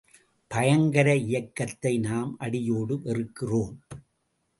பயங்கர இயக்கத்தை நாம் அடியோடு வெறுக்கிறோம்.